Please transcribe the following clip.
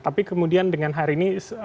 tapi kemudian dengan hari ini